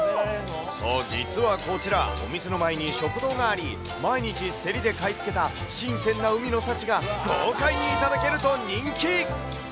そう、実はこちら、お店の前に食堂があり、毎日競りで買い付けた新鮮な海の幸が豪快に頂けると人気。